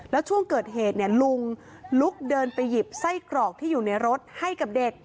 แล้วช่วงเกิดเหตุเนี่ยลุงลุกเดินไปหยิบไส้กรอกที่อยู่ในรถให้กับเด็ก